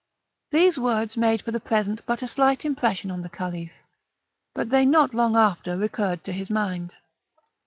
Those words made for the present but a slight impression on the Caliph; but they not long after recurred to his mind.